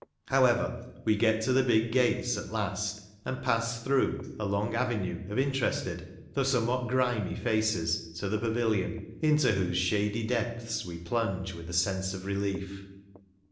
However, we get to the big gates at last, and pass through a long avenue of interested, though somewhat grimy, faces to the pavilion, into whose shady depths we plunge with a sense of relief.